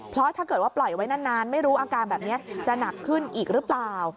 เพราะถ้าเกิดว่าปล่อยไว้นานไม่รู้อาการแบบนี้จะหนักขึ้นอีกหรือเปล่า